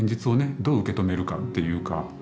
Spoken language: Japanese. どう受け止めるかっていうか。